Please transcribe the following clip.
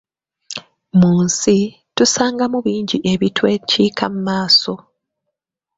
Mu nsi, tusangamu bingi ebitwekiika mu maaso.